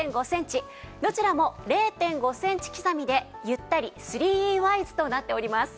どちらも０．５センチ刻みでゆったり３Ｅワイズとなっております。